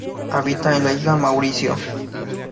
Habita en la isla Mauricio.